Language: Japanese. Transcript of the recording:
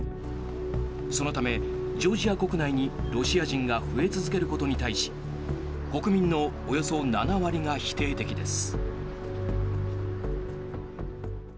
そのため、ジョージア国内にロシア人が増え続けることに対し国民のおよそ７割が否定的です。